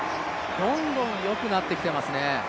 どんどんよくなってきてますね。